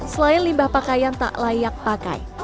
selain limbah pakaian tak layak pakai